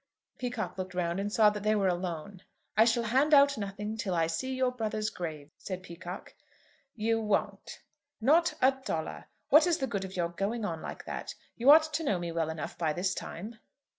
Peacocke looked round and saw that they were alone. "I shall hand out nothing till I see your brother's grave," said Peacocke. "You won't?" "Not a dollar! What is the good of your going on like that? You ought to know me well enough by this time."